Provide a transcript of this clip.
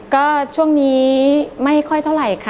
ก็ช่วงนี้ไม่ค่อยเท่าไหร่ค่ะ